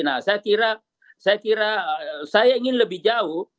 nah saya kira saya ingin lebih jauh